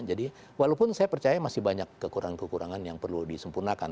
jadi walaupun saya percaya masih banyak kekurangan kekurangan yang perlu disempurnakan